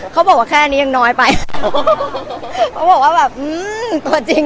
เขาบอกว่าแค่นี้ยังน้อยไปเขาบอกว่าแบบอืมตัวจริง